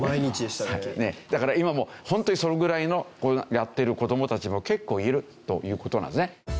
だから今もホントにそのぐらいのやってる子供たちも結構いるという事なんですね。